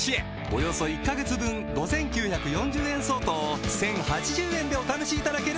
およそ１カ月分５９４０円相当を１０８０円でお試しいただけるチャンスです